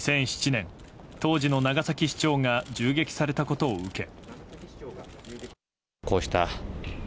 ２００７年、当時の長崎市長が銃撃されたことを受け。